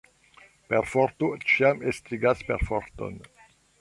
Perforto ĉiam estigas perforton.